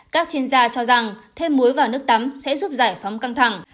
các chuyên gia cho rằng thêm muối vào nước tắm sẽ giúp giải phóng căng thẳng